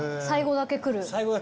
最後だけ来るの？